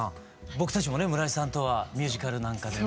僕たちもね村井さんとはミュージカルなんかでね。